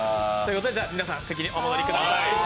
ことで皆さん、席にお戻りください。